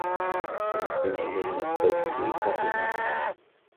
أَنْ يُحْسِنَ إلَيْنَا التَّوْفِيقَ فِيمَا مَنَحَ